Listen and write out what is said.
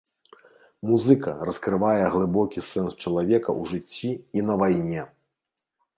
Музыка раскрывае глыбокі сэнс чалавека ў жыцці і на вайне!